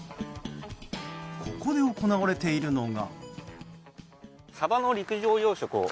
ここで行われているのが。